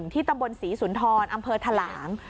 ที่ตำบลศรีสุนทรอำเภอถลาง